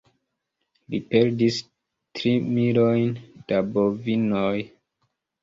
Li perdis tri milojn da bovinoj.